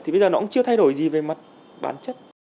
thì bây giờ nó cũng chưa thay đổi gì về mặt bản chất